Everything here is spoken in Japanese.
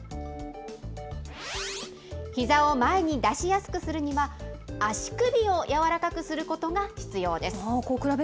ひざを前に出しやすくするには、足首を柔らかくすることが必要です。